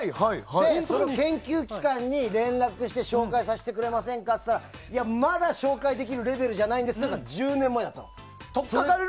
で、研究機関に連絡して紹介させてくれませんか？って聞いたらまだ紹介できるレベルじゃないんですって言われたのが１０年前だったの。